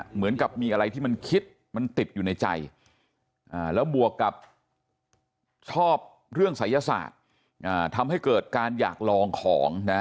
เหมือนกับมีอะไรที่มันคิดมันติดอยู่ในใจแล้วบวกกับชอบเรื่องศัยศาสตร์ทำให้เกิดการอยากลองของนะ